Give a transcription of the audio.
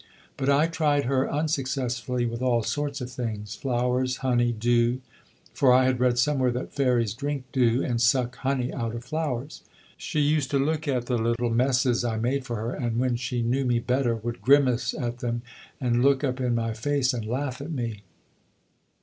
But I tried her, unsuccessfully, with all sorts of things: flowers, honey, dew for I had read somewhere that fairies drink dew and suck honey out of flowers. She used to look at the little messes I made for her, and when she knew me better would grimace at them, and look up in my face and laugh at me.